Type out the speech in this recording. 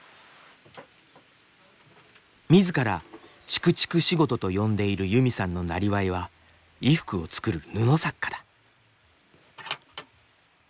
みずから「ちくちく仕事」と呼んでいるユミさんのなりわいは衣服を作る「布作家」だ。